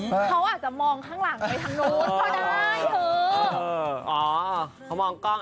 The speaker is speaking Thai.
อ๋อเขามองกล้องอะ